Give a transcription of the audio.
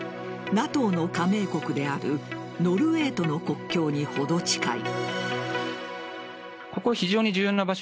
ＮＡＴＯの加盟国であるノルウェーとの国境に程近い。